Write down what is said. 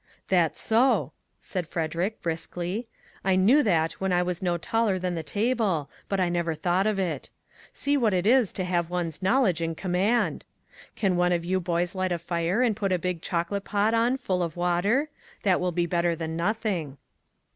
"That's so," said Frederick, briskly; "I knew that when I was no taller than the table, but I never thought of it. See what it is to have one's knowledge at command. Can one of you boys light a fire and put the big chocolate pot on full of water? That will be better than nothing."